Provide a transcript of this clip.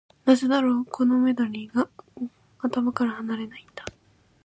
なぜだろう、このメロディーが頭から離れないんだ。